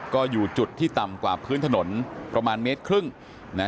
ก็อยู่จุดที่ต่ำกว่าพื้นถนนประมาณเมตรครึ่งนะ